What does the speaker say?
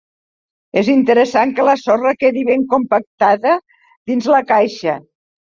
És interessant que la sorra quedi ben compactada dins la caixa.